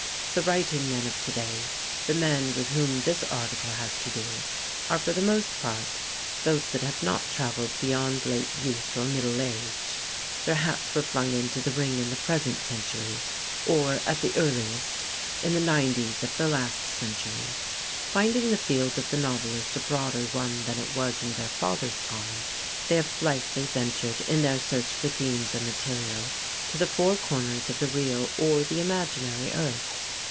The writing men of today, the men with whom this article has to do, are for the most part those that have not traveled beyond late youth or early middle age. Their hats were flung into the ring in the present century; or, at the earliest, in the nineties of the last century. Finding the field of the novelist a broader one than it was in their fathers' time, they have blithely ventured, in their search for themes and material, to the four corners of the real or the imaginary earth.